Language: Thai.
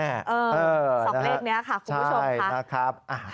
เออสองเลขนี้ค่ะคุณผู้ชมค่ะ